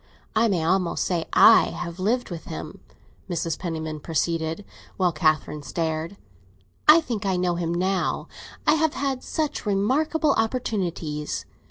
I may almost say I have lived with him," Mrs. Penniman proceeded, while Catherine stared. "I think I know him now; I have had such remarkable opportunities.